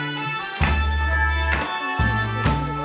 ร้องได้ให้ร้าน